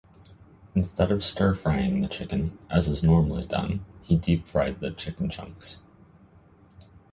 Instead of stir-frying the chicken, as is normally done, he deep-fried the chicken chunks.